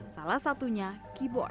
salah satunya keyboard